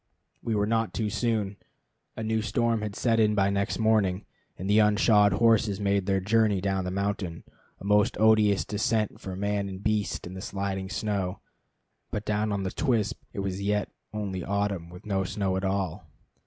We were not too soon. A new storm had set in by next morning, and the unshod horses made their journey down the mountain, a most odious descent for man and beast, in the sliding snow. But down on the Twispt it was yet only autumn, with no snow at all.